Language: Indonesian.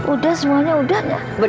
udah semuanya udah